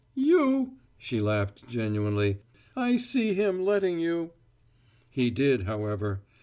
"You!" She laughed, genuinely. "I see him letting you!" "He did, however.